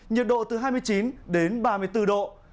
nhiệt độ từ hai mươi chín đến ba mươi bốn độ